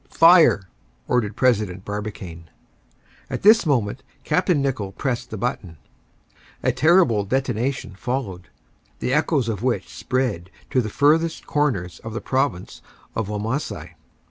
"Fire," ordered President Barbicane. At this moment Capt. Nicholl pressed the button. A terrible detonation followed, the echoes of which spread to the furthest corners of the province of Wamasai.